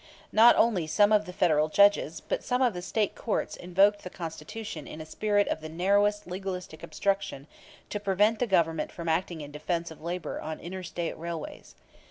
Not only some of the Federal judges, but some of the State courts invoked the Constitution in a spirit of the narrowest legalistic obstruction to prevent the Government from acting in defense of labor on inter State railways.